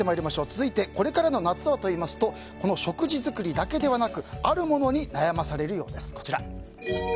続いて、これからの夏はと言いますと食事作りだけではなくあるものに悩まされるようです。